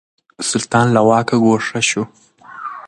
سلطان له واکه ګوښه شو.